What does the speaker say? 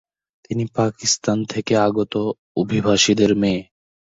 তিনি পাকিস্তান থেকে আগত অভিবাসীদের মেয়ে।